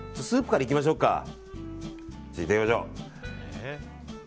スープから行きましょうか。